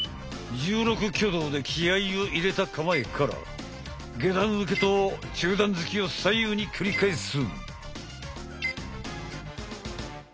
１６挙動で気合いを入れた構えから下段受けと中段突きを左右に繰り返す。